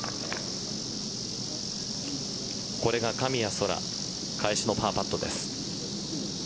これが神谷そら返しのパーパットです。